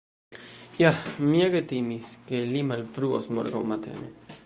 Ja, mi ege timis, ke li malfruos morgaŭ matene.